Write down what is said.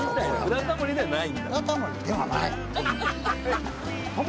「ブラタモリ」ではない。